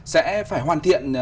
sẽ phải hoàn thiện